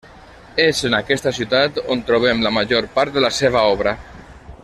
És en aquesta ciutat on trobem la major part de la seva obra.